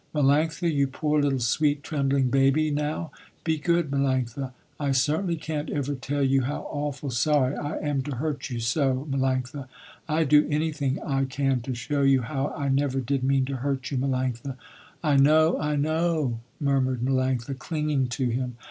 Melanctha, you poor little, sweet, trembling baby now, be good, Melanctha. I certainly can't ever tell you how awful sorry I am to hurt you so, Melanctha. I do anything I can to show you how I never did mean to hurt you, Melanctha." "I know, I know," murmured Melanctha, clinging to him.